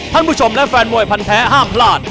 ท่านผู้ชมและแฟนมวยพันแท้ห้ามพลาด